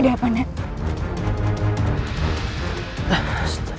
si allah ya tuhan dah lelaki ayah